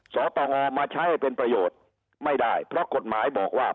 สตงมาใช้ให้เป็นประโยชน์ไม่ได้เพราะกฎหมายบอกว่า